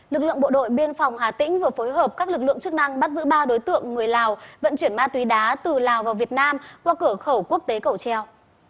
lực lượng bộ đội biên phòng hà tĩnh vừa phối hợp các lực lượng chức năng bắt giữ ba đối tượng người lào vận chuyển ma túy đá từ lào vào việt nam qua cửa khẩu quốc tế cầu treo